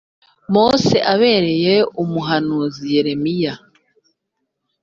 Mose abereye umuhuza Yeremiya